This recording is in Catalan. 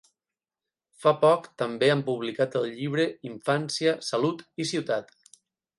Fa poc també han publicat el llibre Infància, salut i ciutat.